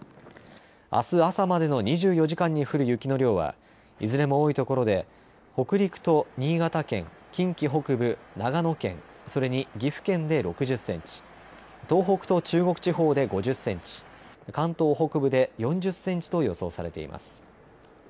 あす朝までの２４時間に降る雪の量はいずれも多いところで北陸と新潟県、近畿北部、長野県それに岐阜県で６０センチ、東北と中国地方で５０センチ、関東北部で４０センチと予想されています。